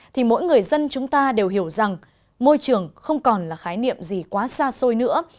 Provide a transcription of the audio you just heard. thì mỗi người dân chúng ta đều hiểu rằng môi trường không còn là khái niệm gì quá xa xôi nữa